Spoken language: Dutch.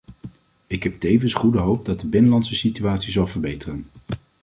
Ik heb tevens goede hoop dat de binnenlandse situatie zal verbeteren.